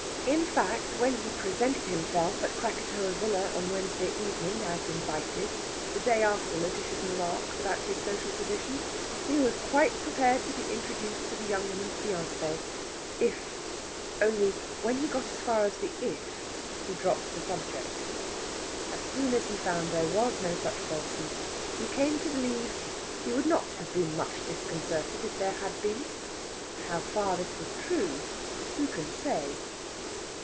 In fact, when he presented himself at Krakatoa Villa on Wednesday evening as invited the day after Lætitia's remarks about his social position he was quite prepared to be introduced to the young woman's fiancé, if.... Only, when he got as far as the if, he dropped the subject. As soon as he found there was no such person he came to believe he would not have been much disconcerted if there had been. How far this was true, who can say?